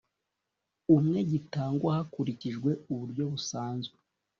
Umwe gitangwa hakurikijwe uburyo busanzwe